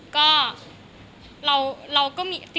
ก็เราก็มี